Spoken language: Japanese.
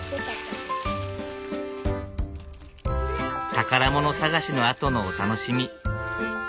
宝物探しのあとのお楽しみ。